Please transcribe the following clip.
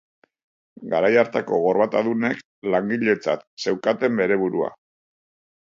Garai hartako gorbatadunek langiletzat zeukaten bere burua.